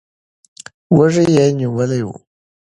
وږي یې نیولي ول.